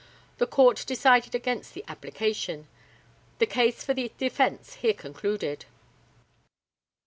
The Court decided against the application. The case for the defence here concluded.